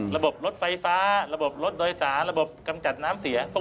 รถไฟฟ้าระบบรถโดยสารระบบกำจัดน้ำเสียพวก